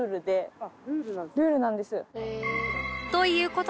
あっルールなんですか。